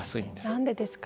何でですか？